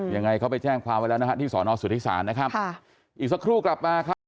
ยังไงเขาไปแจ้งความไว้แล้วนะฮะที่สอนอสุทธิศาลนะครับค่ะอีกสักครู่กลับมาครับ